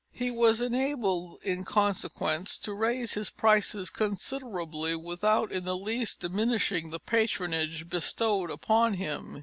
He was enabled in consequence to raise his prices considerably without in the least diminishing the patronage bestowed upon him.